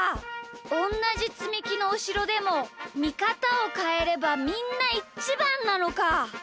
おんなじつみきのおしろでもみかたをかえればみんなイチバンなのか！